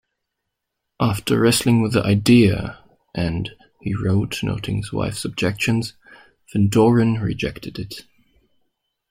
After wrestling with the idea-and, he wrote, noting his wife's objections-Van Doren rejected it.